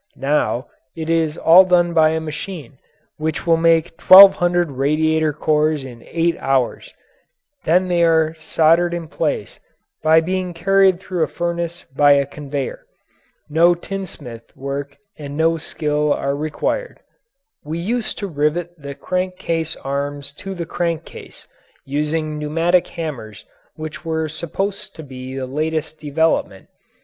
Now it is all done by a machine which will make twelve hundred radiator cores in eight hours; then they are soldered in place by being carried through a furnace by a conveyor. No tinsmith work and so no skill are required. We used to rivet the crank case arms to the crank case, using pneumatic hammers which were supposed to be the latest development.